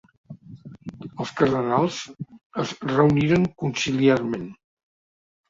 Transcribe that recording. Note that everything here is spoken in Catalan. Els cardenals es reuniren conciliarment.